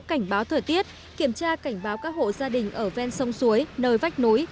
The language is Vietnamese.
cảnh báo thời tiết kiểm tra cảnh báo các hộ gia đình ở ven sông suối nơi vách núi